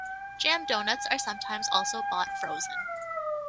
Jam doughnuts are sometimes also bought frozen.